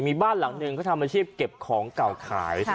มีบ้านหลังหนึ่งเขาทำอาชีพเก็บของเก่าขาย